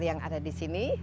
yang ada disini